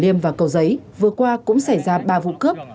liêm và cầu giấy vừa qua cũng xảy ra ba vụ cướp